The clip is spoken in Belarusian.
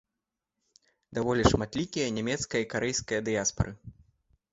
Даволі шматлікія нямецкая і карэйская дыяспары.